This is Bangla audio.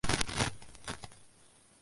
পানির জন্য ধন্যবাদ।